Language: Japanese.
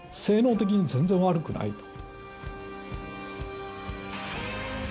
性能的に全然悪くないと。